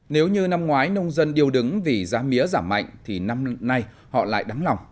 nếu như năm ngoái nông dân điêu đứng vì giá mía giảm mạnh thì năm nay họ lại đắng lòng